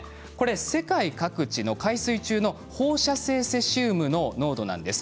世界各地の海水中の放射性セシウムの濃度です。